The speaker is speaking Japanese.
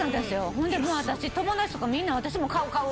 ほんで私友達とかみんな私も買う買う！